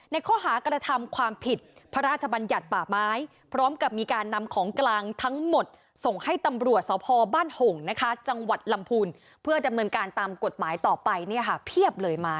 ในข้อหาการทำความผิดพระราชบัญญัติป่าม้าย